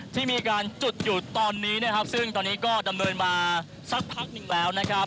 ที่มีการจุดอยู่ตอนนี้นะครับซึ่งตอนนี้ก็ดำเนินมาสักพักหนึ่งแล้วนะครับ